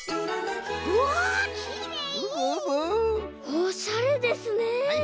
おしゃれですね。